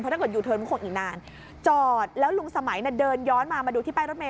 เพราะถ้าเกิดยูเทินมันคงอีกนานจอดแล้วลุงสมัยเดินย้อนมาดูที่ป้ายรถเม